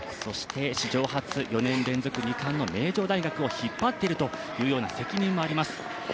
史上初、４年連続名城大学を引っ張っているという責任もあります。